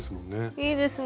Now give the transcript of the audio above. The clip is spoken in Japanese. いいですね。